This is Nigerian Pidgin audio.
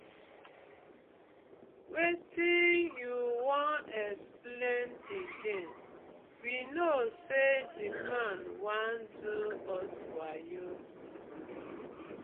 Wetin yu won explain again, we kno sey the man wan do us wayo.